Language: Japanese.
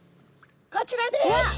こちらです。